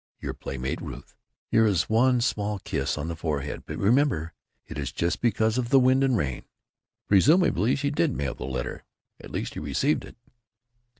Your playmate Ruth Here is one small kiss on the forehead but remember it is just because of the wind & rain. Presumably she did mail the letter. At least, he received it.